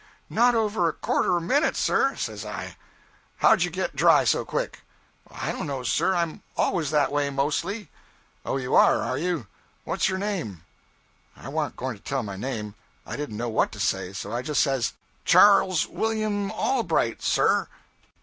'Not over a quarter of a minute, sir,' says I. 'How did you get dry so quick?' 'I don't know, sir. I'm always that way, mostly.' 'Oh, you are, are you. What's your name?' I warn't going to tell my name. I didn't know what to say, so I just says 'Charles William Allbright, sir.'